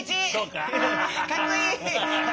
かっこいい！